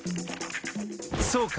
そうか！